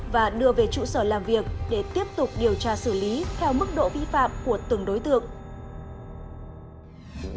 và đưa về trụ sở làm việc để tiếp tục điều tra xử lý theo mức độ vi phạm của từng đối tượng